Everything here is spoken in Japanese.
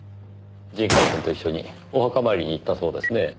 陣川君と一緒にお墓参りに行ったそうですね。